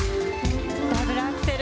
ダブルアクセル。